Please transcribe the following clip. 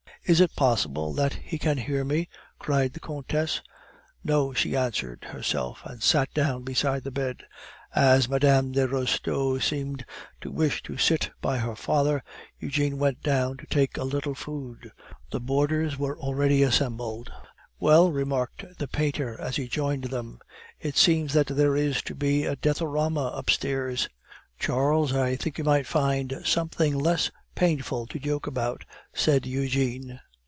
"Is it possible that he can hear me?" cried the Countess. "No," she answered herself, and sat down beside the bed. As Mme. de Restaud seemed to wish to sit by her father, Eugene went down to take a little food. The boarders were already assembled. "Well," remarked the painter, as he joined them, "it seems that there is to be a death orama upstairs." "Charles, I think you might find something less painful to joke about," said Eugene.